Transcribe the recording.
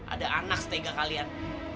ada anak setega kalian